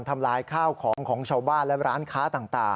ทำลายข้าวของของชาวบ้านและร้านค้าต่าง